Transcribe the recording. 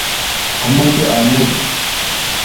amoche amuny.